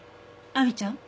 亜美ちゃん